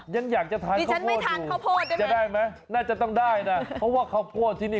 ยังอยากจะทานข้าวโพดทานข้าวโพดได้จะได้ไหมน่าจะต้องได้นะเพราะว่าข้าวโพดที่นี่